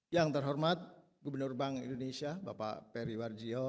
yang terhormat gubernur bank indonesia bapak periwarjiho